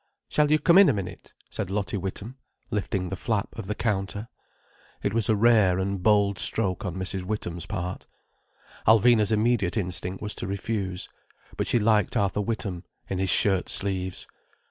"Shall you come in a minute?" said Lottie Witham, lifting the flap of the counter. It was a rare and bold stroke on Mrs. Witham's part. Alvina's immediate instinct was to refuse. But she liked Arthur Witham, in his shirt sleeves.